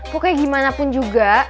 pokoknya gimana pun juga